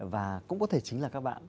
và cũng có thể chính là các bạn